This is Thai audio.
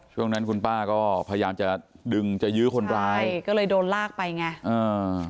ช่วงนั้นคุณป้าก็พยายามจะดึงจะยื้อคนร้ายใช่ก็เลยโดนลากไปไงอ่า